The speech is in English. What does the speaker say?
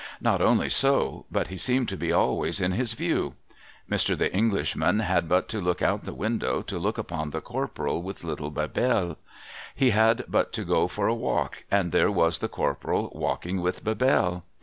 Not only so, but he seemed to be always in his view. Mr. The Englishman had but to look out of window, to look upon the Corporal with little Bebelle. He had but to go for a walk, and there was the Corporal walking with Bebelle.